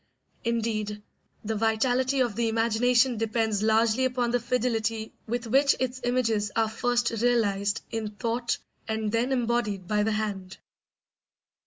Indeed, the vitality of the imagination depends largely upon the fidelity with which its images are first realised in thought and then embodied by the hand.